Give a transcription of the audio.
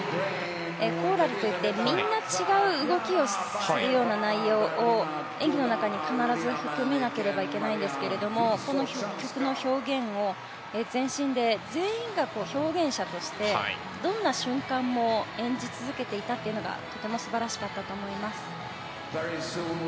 コーラルといってみんな違う動きをするような内容を演技の中に必ず含めなければいけないんですがこの曲の表現を全身で、全員が表現者としてどんな瞬間も演じ続けていたというのがとても素晴らしかったと思います。